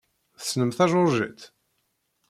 Tessnem tajuṛjit?